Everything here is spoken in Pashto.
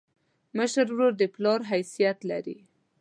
مشر ورور د پلار حیثیت لري.